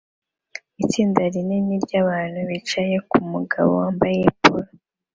Itsinda rinini ryabantu bicaye nkumugabo wambaye polo